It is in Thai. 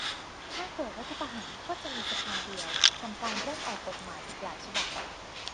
ถ้าเกิดรัฐประหารก็จะมีสภาเดียวทำการเร่งออกกฎหมายอีกหลายฉบับ